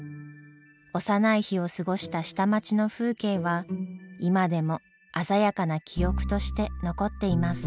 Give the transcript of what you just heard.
幼い日を過ごした下町の風景は今でも鮮やかな記憶として残っています。